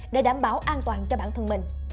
để đảm bảo an toàn cho bản thân mình